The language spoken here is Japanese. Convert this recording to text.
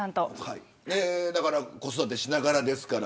子育てしながらですから。